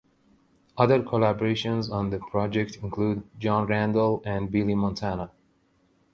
Other collaborations on the project include Jon Randall and Billy Montana.